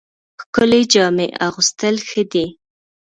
ښکلې جامې اغوستل ښه دي